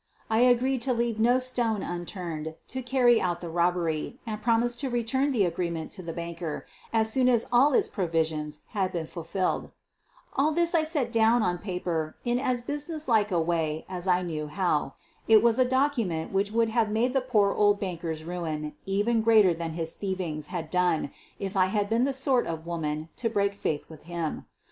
I agreed to leave no stone unturned to carry out the robbery and promised to return the agreement to the banker as soon as all its provisions had been fulfilled. All this I set down on paper in as businesslike way as I knew how. It was a document which would have made the poor old banker's ruin even greater than his thievings had done if I had been the sort of woman to break faith with him.